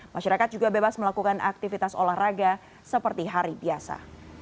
masyarakat juga bebas melakukan aktivitas olahraga seperti hari biasa